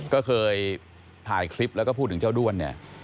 ก็เคยถ่ายคลิปแล้วก็พูดถึงเจ้าด้วนเนี่ย